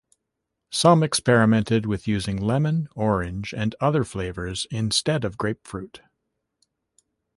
Some experimented with using lemon, orange or other flavors instead of grapefruit.